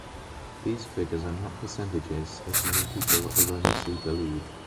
These figures are not percentages as many people erroneously believe.